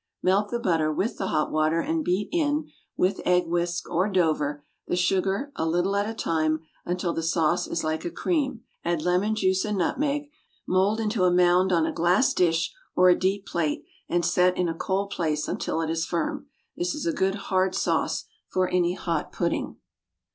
Melt the butter with the hot water and beat in, with egg whisk or "Dover," the sugar, a little at a time, until the sauce is like a cream. Add lemon juice and nutmeg, mould into a mound on a glass dish, or a deep plate, and set in a cold place until it is firm. This is a good "hard sauce" for any hot pudding.